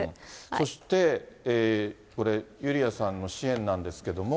そしてこれ、ユリアさんの支援なんですけれども。